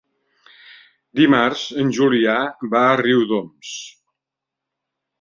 Dimarts en Julià va a Riudoms.